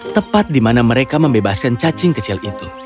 tepat di mana mereka membebaskan cacing kecil itu